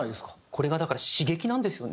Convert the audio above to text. これがだから刺激なんですよね。